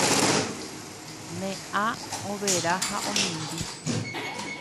Ne ã overa ha omimbi